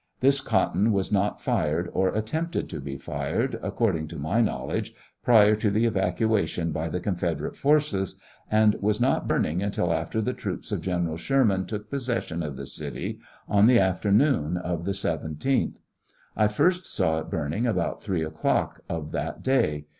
This cotton was not fired or attempted to be fired, according to ray knowledge, prior to the evacuation by the Con federate forces, and was not burning until after the troops of General Sherman took possession of the city on the afternoon of the 17th. I first saw it burning about three o'clock of that day.